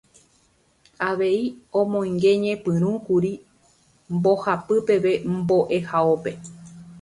Avei omoingeñepyrũkuri mbohapyvépe mbo'ehaópe.